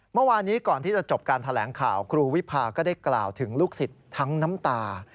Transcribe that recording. เมื่อวานนี้ก่อนที่จะจบการแถลงข่าวครูวิพาก็ได้กล่าวถึงลูกศิษย์ทั้งน้ำตา